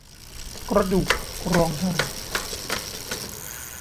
กระดูกร้องไห้